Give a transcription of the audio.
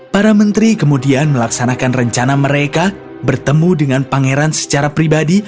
para menteri kemudian melaksanakan rencana mereka bertemu dengan pangeran secara pribadi